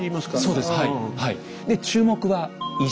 そうですはいはい。